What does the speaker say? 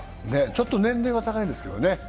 ちょっと年齢が高いんですけどね。